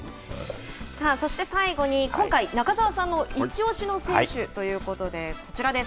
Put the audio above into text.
そして最後に今回中澤さんの一押しの選手ということでこちらです。